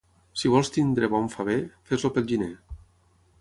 Si vols tenir bon faver, fes-lo pel gener.